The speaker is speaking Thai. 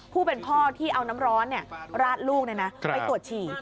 ผู้เป็นพ่อที่เอาน้ำร้อนราดลูกไปตรวจฉี่